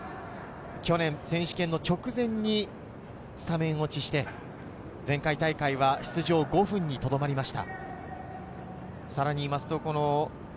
去年選手権の直前に、スタメン落ちして、前回大会は出場は５分にとどまりました。